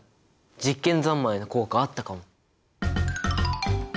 実験三昧の効果あったかも。